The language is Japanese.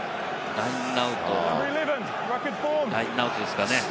ラインアウトですかね？